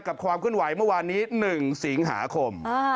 ความขึ้นไหวเมื่อวานนี้๑สิงหาคม